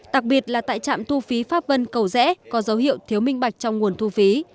đặc biệt là tại trạm thu phí pháp vân cầu rẽ có dấu hiệu thiếu minh bạch trong nguồn thu phí